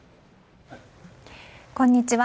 こんにちは。